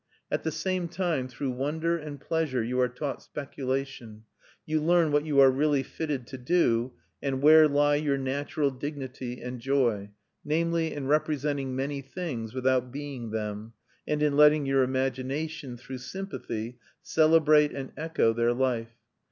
At the same time, through wonder and pleasure, you are taught speculation. You learn what you are really fitted to do, and where lie your natural dignity and joy, namely, in representing many things, without being them, and in letting your imagination, through sympathy, celebrate and echo their life.